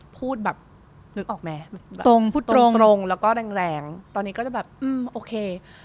พูดแบบนึกออกไหมตรงแล้วก็แรงตอนนี้ก็จะแบบอืมโอเค